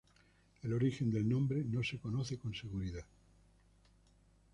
El origen del nombre no se conoce con seguridad.